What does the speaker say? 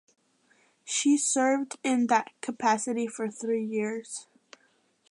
She served in that capacity for three years.